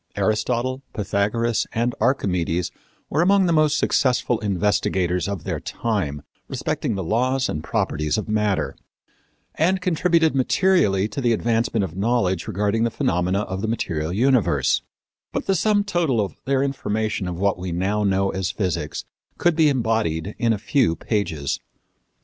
Aristotle, Pythagoras and Archimedes were among the most successful investigators of their time respecting the laws and properties of matter, and contributed materially to the advancement of knowledge regarding the phenomena of the material universe; but the sum total of their information of what we now know as physics could be embodied in a few pages.